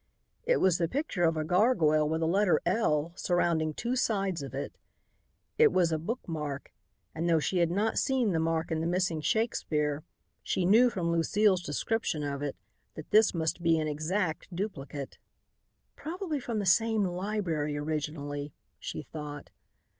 It was the picture of a gargoyle with a letter L surrounding two sides of it. It was a bookmark and, though she had not seen the mark in the missing Shakespeare, she knew from Lucile's description of it that this must be an exact duplicate. "Probably from the same library originally," she thought.